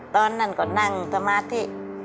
ตอนนั้นก็นั่งสมาธิ